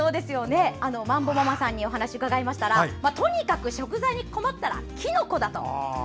まんぼママさんにお話を伺いましたらとにかく食材に困ったらきのこだと。